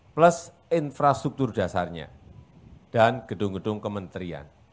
plus infrastruktur dasarnya dan gedung gedung kementerian